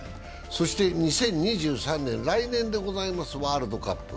そして２０２３年、来年でございます、ワールドカップ。